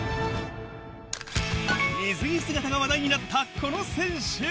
水着姿が話題になったこの選手。